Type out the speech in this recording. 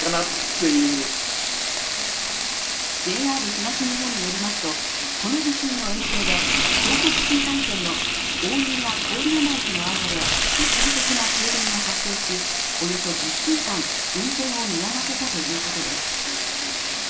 ＪＲ東日本によりますとこの地震の影響で東北新幹線の大宮−郡山駅の間で一時的な停電が発生し、およそ１０分間、運転を見合わせたということです。